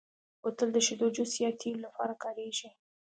بوتل د شیدو، جوس، یا تېلو لپاره کارېږي.